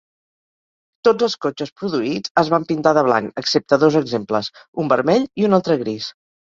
Tots els cotxes produïts es van pintar de blanc, excepte dos exemples, un vermell i un altre gris.